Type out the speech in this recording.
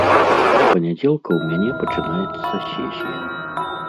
З панядзелка ў мяне пачынаецца сесія.